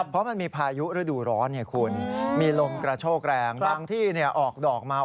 เพราะมันมีพายุฤดูร้อนไงคุณมีลมกระโชกแรงบางที่ออกดอกมา